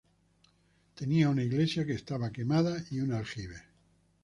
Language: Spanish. Tenía una iglesia que estaba quemada y un aljibe.